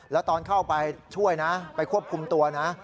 แล้วตอนเข้าไปช่วยนะไปควบคุมตัวนะ